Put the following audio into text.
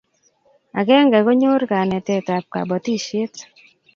Agenge konyor kanenetab kobotisiet